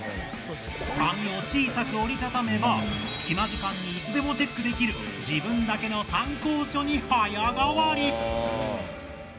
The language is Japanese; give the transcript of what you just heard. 紙を小さく折り畳めば隙間時間にいつでもチェックできる自分だけの参考書に早変わり！